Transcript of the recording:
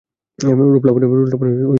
রূপ-লাবণ্যে ছোটজনই শ্রেষ্ঠ।